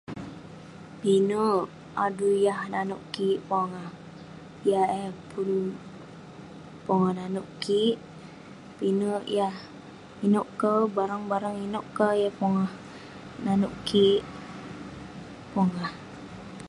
Pinek adui yah nanouk kik pongah. Yah eh pun pongah nanouk kik, pinek yah inouk kek, barang barang inouk kah yah pongah nanouk kik pongah.